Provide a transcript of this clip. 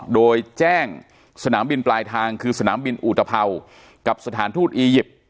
โดยแจ้งสนามบินปลายทางคือสนามบินอุตภัวร์กับสถานทูตอียิปต์